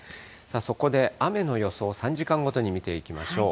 そこで雨の予想、３時間ごとに見ていきましょう。